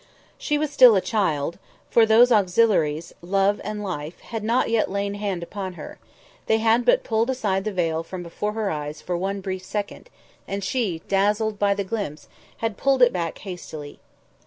She was still a child, for those auxiliaries, Love and Life, had not yet lain hand upon her; they had but pulled aside the veil from before her eyes for one brief second, and she, dazzled by the glimpse, had pulled it back hastily.